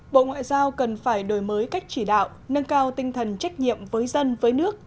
bộ ngoại giao cần phải đổi mới cách chỉ đạo nâng cao tinh thần trách nhiệm với dân với nước